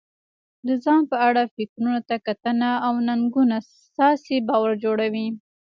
د ځان په اړه فکرونو ته کتنه او ننګونه ستاسې باور جوړوي.